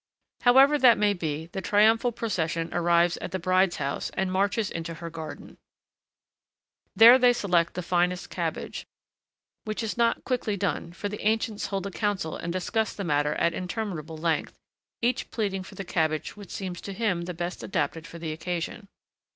However that may be, the triumphal procession arrives at the bride's house and marches into her garden. There they select the finest cabbage, which is not quickly done, for the ancients hold a council and discuss the matter at interminable length, each pleading for the cabbage which seems to him the best adapted for the occasion.